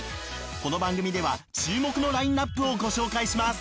この番組では注目のラインナップをご紹介します。